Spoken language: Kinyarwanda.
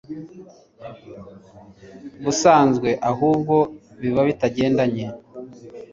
busanzwe ahubwo biba bitagendanye